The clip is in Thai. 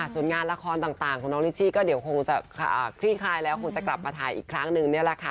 ส่วนงานละครต่างของน้องนิชชี่ก็เดี๋ยวคงจะคลี่คลายแล้วคงจะกลับมาถ่ายอีกครั้งนึงนี่แหละค่ะ